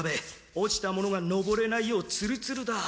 落ちた者が登れないようツルツルだ。